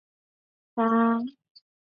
有女沘阳公主。